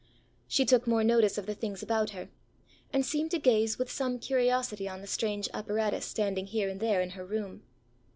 She took more notice of the things about her, and seemed to gaze with some curiosity on the strange apparatus standing here and there in her room.